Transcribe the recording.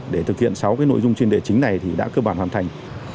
để thực hiện sáu nội dung chuyên đề chính này thì đã cơ bản hoàn thành